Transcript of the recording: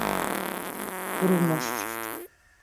Grumos.